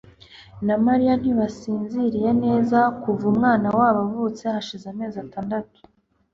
na Mariya ntibasinziriye neza kuva umwana wabo avutse hashize amezi atandatu.